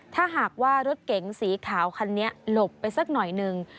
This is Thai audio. ถ้าหากว่ารถเก๋งสีขาวคันนี้หลบไปสักหน่อยหนึ่ง